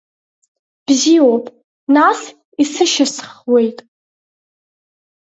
Бзиоуп нас, исышьсхуеит.